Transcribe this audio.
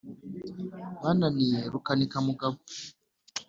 Bananiye Rukanikamugabo